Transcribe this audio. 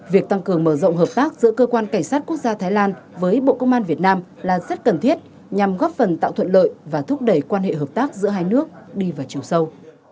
việc tăng cường mở rộng hợp tác giữa cơ quan cảnh sát quốc gia thái lan với bộ công an việt nam là rất cần thiết nhằm góp phần tạo thuận lợi và thúc đẩy quan hệ hợp tác giữa hai nước đi vào chiều sâu